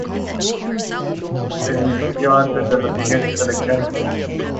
They name the girl Bitti.